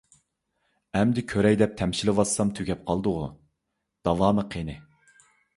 ئەمدى كۆرەي دەپ تەمشىلىۋاتسام، تۈگەپ قالدىغۇ. داۋامى قېنى؟